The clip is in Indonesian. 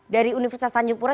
dari universitas tanjung pura